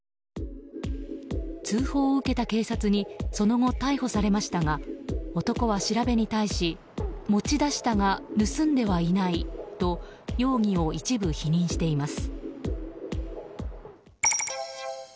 通報を受けた警察にその後、逮捕されましたが男は調べに対し、持ち出したが盗んではいないと容疑を一部否認しています。